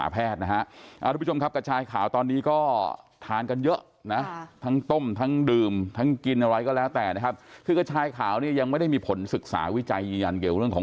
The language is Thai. เพราะฉะนั้นท่านที่ซื้อไปตอนนี้แล้วแบบโอ้โหกินแบบกินทุกวัน